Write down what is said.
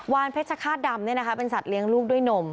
เพชรฆาตดำเป็นสัตว์เลี้ยงลูกด้วยนม